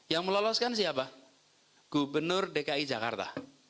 yang meloloskan siapa gubernur dki jakarta